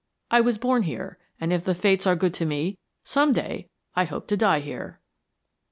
I was born here, and, if the Fates are good to me, some day I hope to die here."